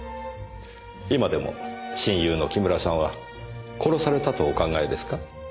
今でも親友の木村さんは殺されたとお考えですか。